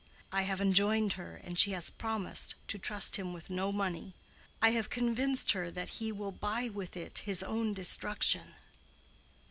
I have enjoined her, and she has promised, to trust him with no money. I have convinced her that he will buy with it his own destruction."